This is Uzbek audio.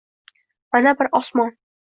Mana bir osmon